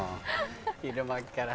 昼間っから。